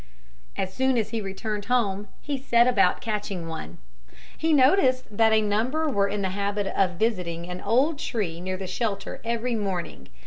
As soon as he returned home he set about catching one. He noticed that a number were in the habit of visiting an old tree near the shelter every morning.